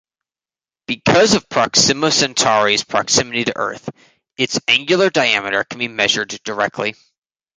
Because of Proxima Centauri's proximity to Earth, its angular diameter can be measured directly.